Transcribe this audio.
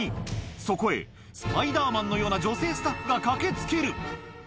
そこへ、スパイダーマンのような女性スタッフが駆けつける。